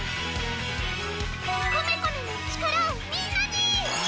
コメコメの力をみんなに！